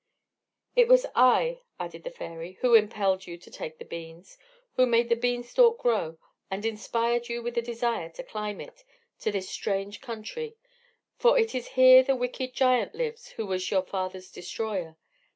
"It was I," added the fairy, "who impelled you to take the beans, who made the bean stalk grow, and inspired you with the desire to climb up it to this strange country; for it is here the wicked giant lives who was your father's destroyer.